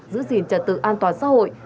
giữ gìn trật tự an toàn xã hội